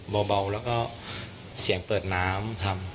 เบาแล้วก็เสียงเปิดน้ำทำ